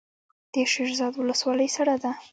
د شیرزاد ولسوالۍ سړه ده